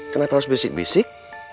kenapa harus bisik bisik